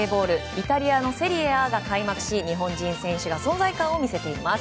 イタリアのセリエＡが開幕し日本人選手が存在感を見せています。